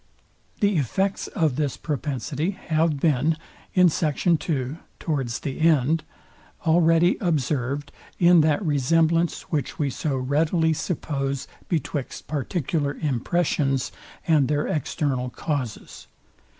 The effects this propensity have been already observed in that resemblance, which we so readily suppose betwixt particular impressions and their external causes.